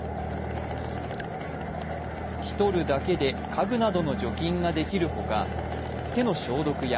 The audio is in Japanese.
拭き取るだけで家具などの除菌ができるほか、手の消毒や